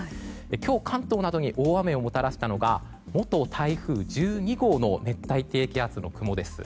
今日、関東などに大雨をもたらしたのが元台風１２号の熱帯低気圧の雲です。